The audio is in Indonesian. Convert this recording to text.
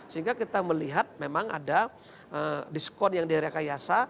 sehingga kita melihat memang ada diskon yang di rekayasa